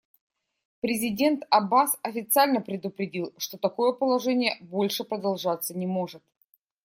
Президент Аббас официально предупредил, что такое положение больше продолжаться не может.